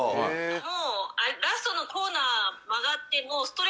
もう。